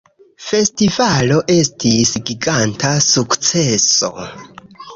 Festivalo estis giganta sukceso